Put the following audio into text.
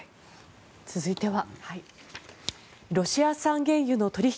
続いては。